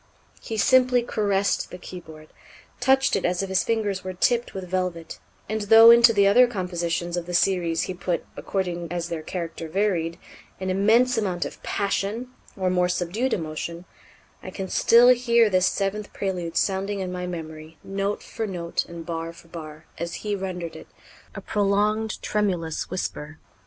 He simply caressed the keyboard, touched it as if his fingers were tipped with velvet; and though into the other compositions of the series he put, according as their character varied, an immense amount of passion, or more subdued emotion, I can still hear this seventh Prélude sounding in my memory, note for note and bar for bar, as he rendered it a prolonged, tremulous whisper.